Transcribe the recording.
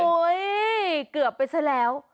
โอ้โฮเกือบไปซะแล้ว